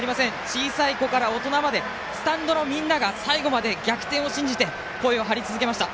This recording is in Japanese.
小さい子から大人まで、スタンドのみんなが最後まで逆転を信じて声を張り続けました。